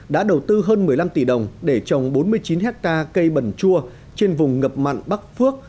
đã đầu tư hơn một mươi năm tỷ đồng để trồng bốn mươi chín hectare cây bẩn chua trên vùng ngập mặn bắc phước